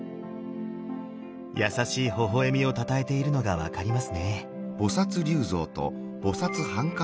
優しいほほ笑みをたたえているのが分かりますね。